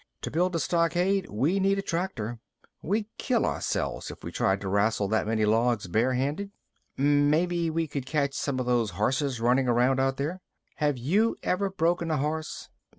To build a stockade, we need a tractor. We'd kill ourselves if we tried to rassle that many logs bare handed." "Maybe we could catch some of those horses running around out there." "Have you ever broken a horse?"